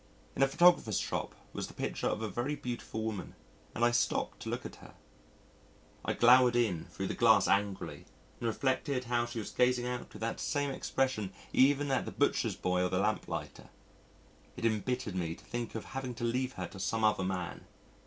In a photographer's shop was the picture of a very beautiful woman and I stopped to look at her. I glowered in thro' the glass angrily and reflected how she was gazing out with that same expression even at the butcher's boy or the lamp lighter. It embittered me to think of having to leave her to some other man.